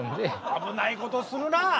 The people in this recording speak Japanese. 危ないことするな。